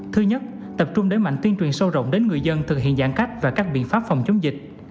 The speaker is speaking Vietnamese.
thứ nhất tập trung đẩy mạnh tuyên truyền sâu rộng đến người dân thực hiện giãn cách và các biện pháp phòng chống dịch